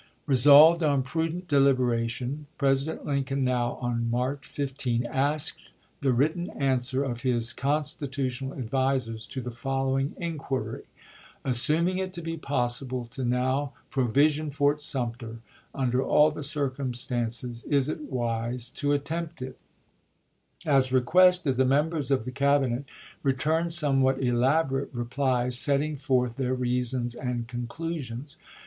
Resolved «on prudent deliberation, President Lin coln now, on March 15, asked the written answer lsei. of his constitutional advisers to the following in quiry : "Assuming it to be possible to now provi sion Fort Sumter, under all the circumstances is it wise to attempt it 1 " As requested, the members of the Cabinet re turned somewhat elaborate replies, setting forth their reasons and conclusions.